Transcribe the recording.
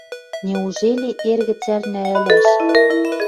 Неужели эргӹ цӓрнӓ ӹлӓш?..